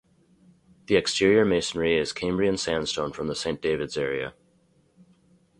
The exterior masonry is Cambrian sandstone from the St Davids area.